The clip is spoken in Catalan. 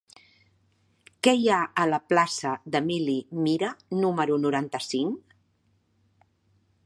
Què hi ha a la plaça d'Emili Mira número noranta-cinc?